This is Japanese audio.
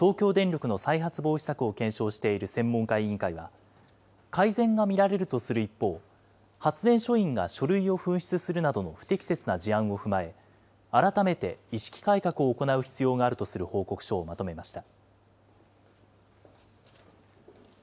新潟県にある柏崎刈羽原子力発電所で発覚したテロ対策上の問題を受けて、東京電力の再発防止策を検証している専門家委員会は、改善が見られるとする一方、発電署員が書類を紛失するなどの不適切な事案を踏まえ、改めて意識改革を行う必要があるとする報告書をまとめました。